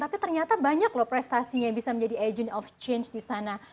tapi ternyata banyak loh prestasinya yang bisa menjadi agent of change di sana